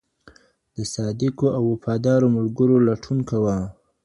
د صادقو او وفادارو ملګرو لټون کوه.